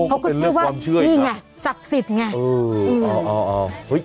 โอ้เป็นเรื่องความเชื่อยนะเขาก็คือว่ามีไงศักดิ์สิทธิ์ไง